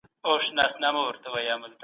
موږ به په دي وخت کي په ټولګي کي یو.